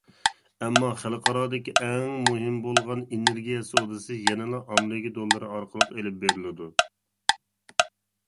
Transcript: ئەمما خەلقئارادىكى ئەڭ مۇھىم بولغان ئېنېرگىيە سودىسى يەنىلا ئامېرىكا دوللىرى ئارقىلىق ئېلىپ بېرىلىدۇ.